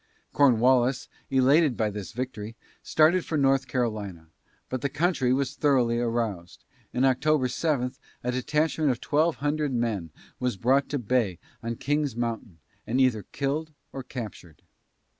Cornwallis, elated by this victory, started for North Carolina; but the country was thoroughly aroused, and on October 7 a detachment of twelve hundred men was brought to bay on King's Mountain, and either killed or captured.